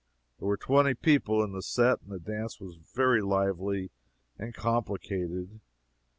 There were twenty people in the set, and the dance was very lively and complicated.